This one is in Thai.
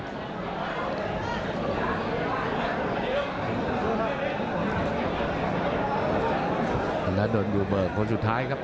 สถาดรณอยู่เบอร์คนสุดท้ายครับ๙๕๑๑๐๐๐๙๙๙